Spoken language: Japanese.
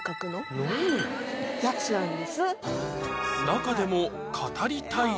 「中でも」？